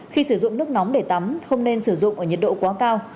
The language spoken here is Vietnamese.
khi sử dụng nước nóng để tắm không nên sử dụng ở nhiệt độ quá cao